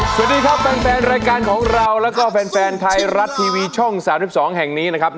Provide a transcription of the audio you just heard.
สวัสดีครับแฟนแฟนรายการของเราแล้วก็แฟนแฟนไทยรัดทีวีช่องสามสิบสองแห่งนี้นะครับ